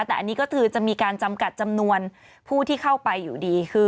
แต่อันนี้ก็คือจะมีการจำกัดจำนวนผู้ที่เข้าไปอยู่ดี